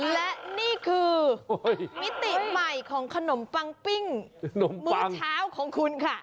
และนี่คือมิติใหม่ของขนมปังปิ้งมื้อเช้าของคุณค่ะ